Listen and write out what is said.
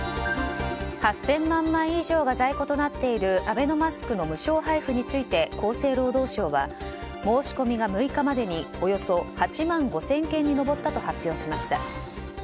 ８０００万枚以上が在庫となっているアベノマスクの無償配布について厚生労働省は申し込みが６日までにおよそ８万５０００件に上ったと発表しました。